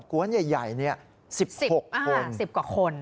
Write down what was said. กลัวใหญ่นี่๑๐กว่าคน